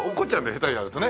下手にやるとね。